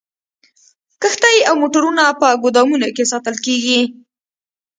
کښتۍ او موټرونه په ګودامونو کې ساتل کیږي